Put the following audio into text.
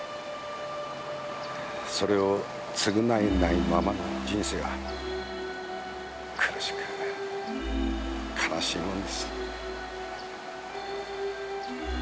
それを償えないままの人生は苦しく悲しいもんです。